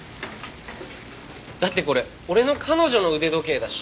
だってこれ俺の彼女の腕時計だし。